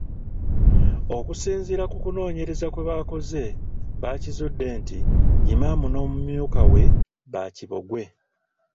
Okusinziira ku kunoonyereza kwe baakoze baakizudde nti Imam n'omumyuka we baakibogwe.